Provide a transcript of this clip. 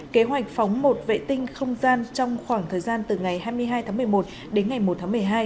kế hoạch phóng một vệ tinh không gian trong khoảng thời gian từ ngày hai mươi hai tháng một mươi một đến ngày một tháng một mươi hai